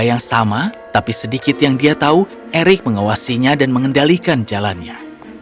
yang sama tapi sedikit yang dia tahu erick mengawasinya dan mengendalikan jalannya